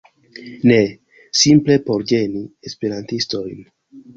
Ne, simple por ĝeni esperantistojn